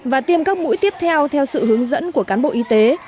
và tiêm các mũi tiếp theo theo sự hướng dẫn của cán bộ y tế